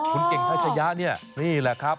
คุณเก่งทัชยะเนี่ยนี่แหละครับ